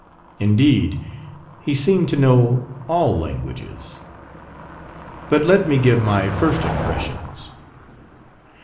Indeed he seemed to know all languages. But let me give my first impressions.